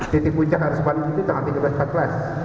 titik puncak harus kembali itu tanggal tiga belas lima belas